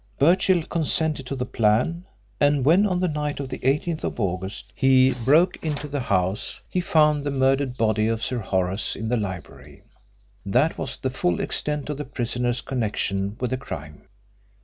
Birchill consented to the plan, and when on the night of the 18th August he broke into the house he found the murdered body of Sir Horace in the library. That was the full extent of the prisoner's connection with the crime.